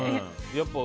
やっぱり？